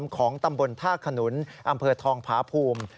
ของตำบลท่าขนุนอำเภอทองผาภูมิ